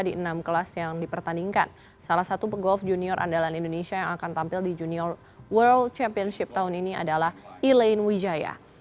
di enam kelas yang dipertandingkan salah satu pegolf junior andalan indonesia yang akan tampil di junior world championship tahun ini adalah elaine wijaya